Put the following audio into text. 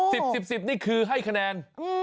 สิบสิบนี่คือให้คะแนน